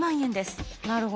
なるほど。